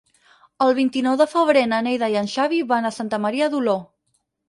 El vint-i-nou de febrer na Neida i en Xavi van a Santa Maria d'Oló.